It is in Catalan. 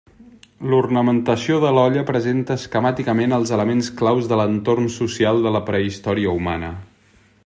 L'ornamentació de l'olla presenta esquemàticament els elements clau de l'entorn social de la prehistòria humana.